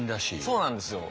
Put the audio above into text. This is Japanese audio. そうなんですよ。